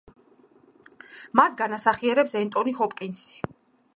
მას განასახიერებს ენტონი ჰოპკინზი.